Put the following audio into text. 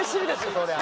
そりゃ。